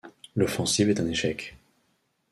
L'offensive est un échec.